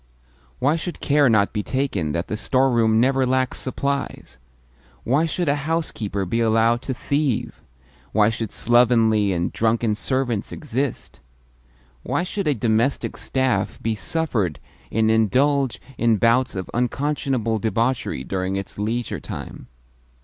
Why should care not be taken that the storeroom never lacks supplies? Why should a housekeeper be allowed to thieve? Why should slovenly and drunken servants exist? Why should a domestic staff be suffered in indulge in bouts of unconscionable debauchery during its leisure time?